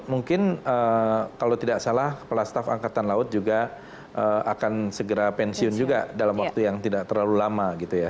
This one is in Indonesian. mungkin kalau tidak salah kepala staf angkatan laut juga akan segera pensiun juga dalam waktu yang tidak terlalu lama gitu ya